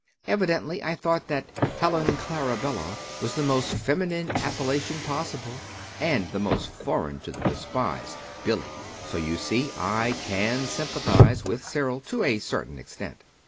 Evidently I thought that 'Helen Clarabella' was the most feminine appellation possible, and the most foreign to the despised 'Billy.' So you see I can sympathize with Cyril to a certain extent."